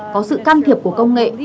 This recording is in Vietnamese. có sự can thiệp của công nghệ